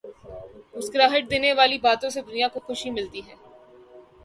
مسکراہٹ دینے والی باتوں سے دنیا کو خوشی ملتی ہے۔